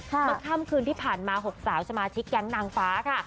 มาค่ำคืนที่ผ่านมา๖สาวชมาธิกยังนางฟ้าค่ะ